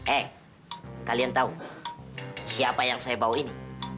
eh kalian tahu siapa yang saya bawa ini